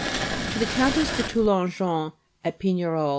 XC. _To the Countess de Toulonjon, at Pignerol.